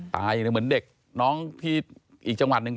ปลายอย่างเด็กที่อีกจังหวัดหนึ่ง